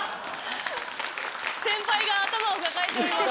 先輩が頭を抱えております。